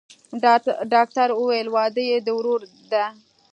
ډاکتر وويل واده يې د ورور دىه.